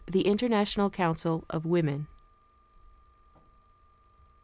THE INTERNATIONAL COUNCIL OF WOMEN.